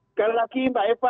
sekali lagi mbak eva